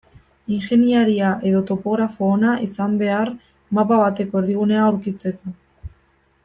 Ingeniaria edo topografo ona izan behar mapa bateko erdigunea aurkitzeko.